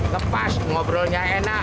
lepas ngobrolnya enak